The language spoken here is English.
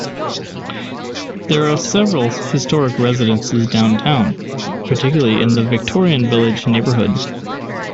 There are several historic residences downtown, particularly in the Victorian Village neighborhood.